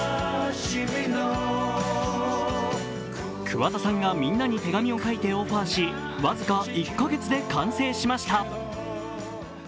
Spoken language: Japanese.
桑田さんがみんなに手紙を書いてオファーし僅か１カ月で完成しました。